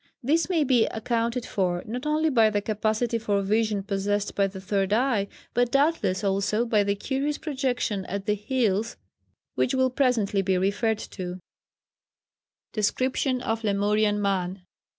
This may be accounted for not only by the capacity for vision possessed by the third eye, but doubtless also by the curious projection at the heels which will presently be referred to. [Sidenote: Description of Lemurian Man.